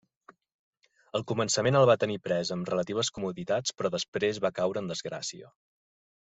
Al començament el va tenir pres amb relatives comoditats però després va caure en desgràcia.